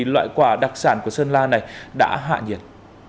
loại quả đặc sản của sơn la này đã hạ nhiệt